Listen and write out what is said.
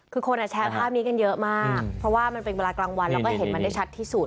คือคนแชร์ภาพนี้กันเยอะมากเพราะว่ามันเป็นเวลากลางวันแล้วก็เห็นมันได้ชัดที่สุด